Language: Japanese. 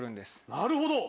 なるほど。